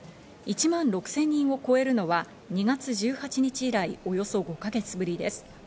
１万６０００人を超えるのは２月１８日以来、およそ５か月ぶりです。